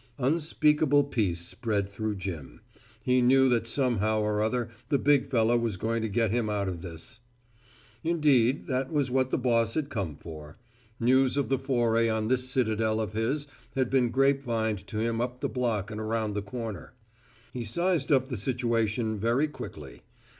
Unspeakable peace spread through Jim. He knew that somehow or other the big fellow was going to get him out of this. Indeed, that was what the boss had come for. News of the foray on this citadel of his had been grapevined to him up the block and around a corner. He sized up the situation very quickly.